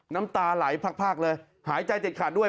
น้ำตาไหลภาคเลยหายใจเด็ดขาดด้วย